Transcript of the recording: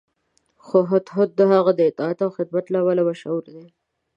خو هدهد د هغه د اطاعت او خدمت له امله مشهور دی.